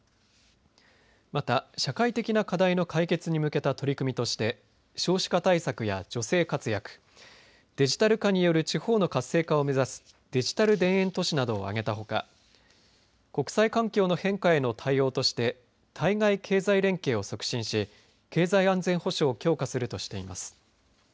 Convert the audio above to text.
また社会的な課題の解決に向けた取り組みとして少子化対策や女性活躍デジタル化による地方の活性化を目指すデジタル田園都市などを挙げたほか国際環境の変化への対応として対外経済連携を促進し経済安全保障を強化するとしています。